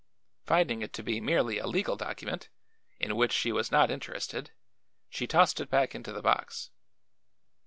Finding it to be merely a legal document, in which she was not interested, she tossed it back into the box.